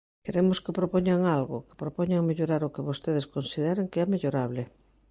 Queremos que propoñan algo, que propoñan mellorar o que vostedes consideren que é mellorable.